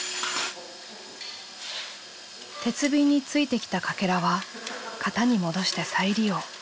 鉄瓶についてきたかけらは型に戻して再利用。